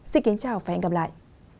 xin kính chào và hẹn gặp lại